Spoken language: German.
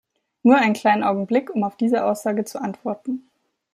Nur einen kleinen Augenblick, um auf diese Aussage zu antworten.